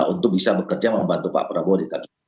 untuk bisa bekerja membantu pak prabowo di kabinet